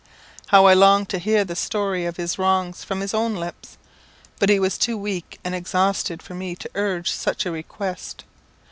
_ How I longed to hear the story of his wrongs from his own lips! but he was too weak and exhausted for me to urge such a request.